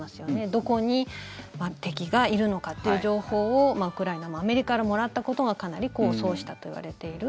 どこに敵がいるのかという情報をウクライナもアメリカからもらったことがかなり功を奏したといわれている。